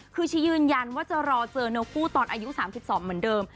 คือชี้ยืนยันว่าจะรอเจอนกคู่ตอนอายุ๓๒เหมือนเดิม